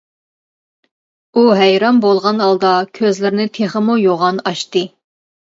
ئۇ ھەيران بولغان ھالدا كۆزلىرىنى تېخىمۇ يوغان ئاچتى.